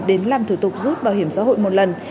đến làm thủ tục rút bảo hiểm xã hội một lần